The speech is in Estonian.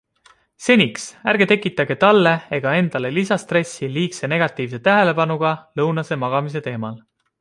Seniks, ärge tekitage talle ega endale lisastressi liigse negatiivse tähelepanuga lõunase magamise teemal.